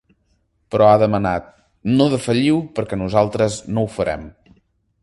Però ha demanat: “No defalliu perquè nosaltres no ho farem”.